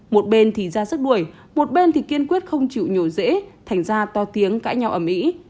một bên thì ra sức đuổi một bên thì kiên quyết không chịu nhổ dễ thành ra to tiếng cãi nhau ở mỹ